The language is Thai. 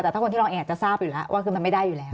แต่ถ้าคนที่ร้องเองอาจจะทราบอยู่แล้วว่าคือมันไม่ได้อยู่แล้ว